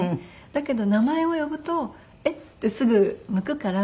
だけど名前を呼ぶと「えっ？」ってすぐ向くから。